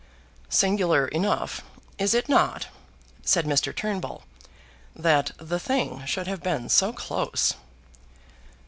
"Singular enough, is it not," said Mr. Turnbull, "that the thing should have been so close?"